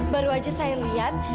baru aja saya lihat